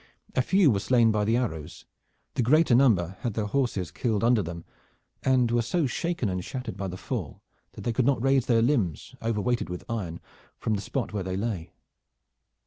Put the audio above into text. A few were slain by the arrows. The greater number had their horses killed under them, and were so shaken and shattered by the fall that they could not raise their limbs, over weighted with iron, from the spot where they lay.